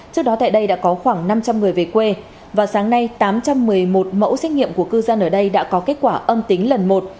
trước đó tại đây đã có khoảng năm trăm linh người về quê và sáng nay tám trăm một mươi một mẫu xét nghiệm của cư dân ở đây đã có kết quả âm tính lần một